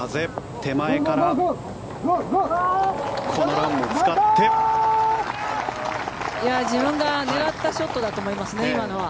手前からこのランを使って自分が狙ったショットだと思いますね、今のは。